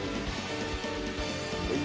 はい。